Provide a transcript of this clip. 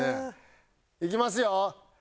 いきますよ。